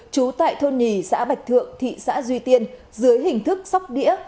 trú tại thôn nhì xã bạch thượng thị xã duy tiên dưới hình thức sóc đĩa